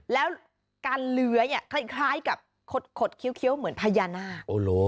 แล้วการเลื้อยคล้ายกับขดเคี้ยวเหมือนพญานาค